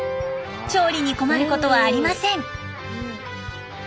調理に困ることはありません。